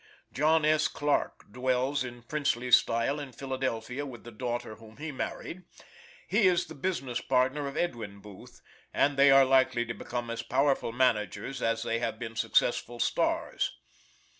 John S. Clarke dwells in princely style in Philadelphia, with the daughter whom he married; he is the business partner of Edwin Booth, and they are likely to become as powerful managers as they have been successful "stars."